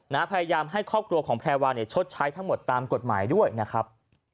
พยายามให้ครอบครัวของแพรวาเนี่ยชดใช้ทั้งหมดตามกฎหมายด้วยนะครับ